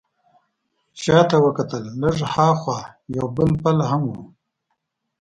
شا ته وکتل، لږ ها خوا یو بل پل هم و.